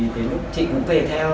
thì lúc chị cũng về theo